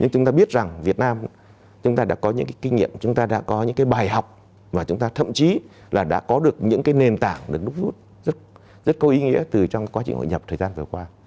chúng ta biết rằng việt nam chúng ta đã có những cái kinh nghiệm chúng ta đã có những cái bài học và chúng ta thậm chí là đã có được những cái nền tảng được núp rút rất rất có ý nghĩa từ trong quá trình hội nhập thời gian vừa qua